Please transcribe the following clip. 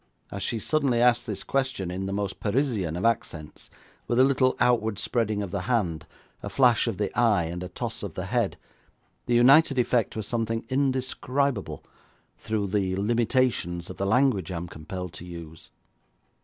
As she suddenly asked this question, in the most Parisian of accents, with a little outward spreading of the hand, a flash of the eye, and a toss of the head, the united effect was something indescribable through the limitations of the language I am compelled to use.